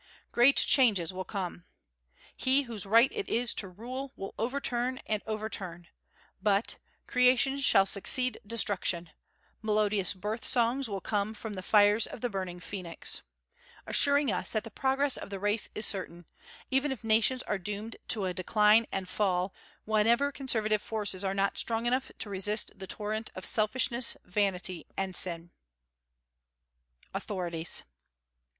Great changes will come. He whose right it is to rule will overturn and overturn: but "creation shall succeed destruction; melodious birth songs will come from the fires of the burning phoenix," assuring us that the progress of the race is certain, even if nations are doomed to a decline and fall whenever conservative forces are not strong enough to resist the torrent of selfishness, vanity, and sin. AUTHORITIES.